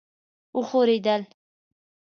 وښورېدل.